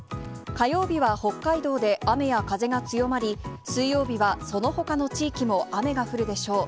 火曜日は北海道で雨や風が強まり、水曜日は、そのほかの地域も雨が降るでしょう。